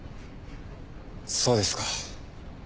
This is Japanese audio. そうですか。